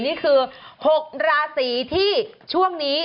นี่คือ๖ราศีที่ช่วงนี้